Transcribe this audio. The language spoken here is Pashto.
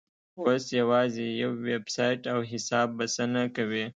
اوس یوازې یو ویبسایټ او حساب بسنه کوي.